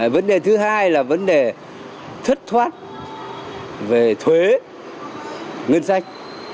vấn đề thứ hai là vấn đề thất thoát về thuế ngân sách